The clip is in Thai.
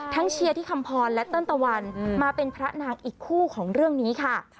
เชียร์ที่คำพรและเติ้ลตะวันมาเป็นพระนางอีกคู่ของเรื่องนี้ค่ะ